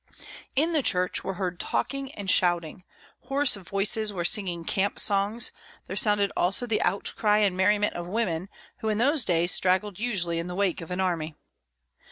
In the church were heard talking and shouting. Hoarse voices were singing camp songs; there sounded also the outcry and merriment of women, who in those days straggled usually in the wake of an army.